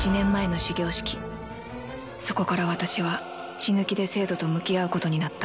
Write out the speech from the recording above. そこから私は死ぬ気で生徒と向き合うことになった。